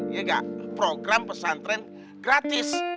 iya gak program pesantren gratis